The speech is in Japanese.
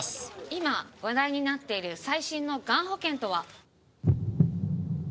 今話題になっている最新のがん保険とは？